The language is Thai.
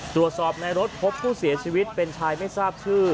ตรวจสอบในรถพบผู้เสียชีวิตเป็นชายไม่ทราบชื่อ